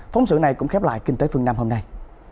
phóng sự này cũng khép lại kinh tế phương nam hôm nay